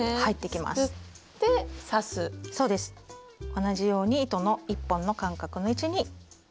同じように糸の１本の間隔の位置に刺します。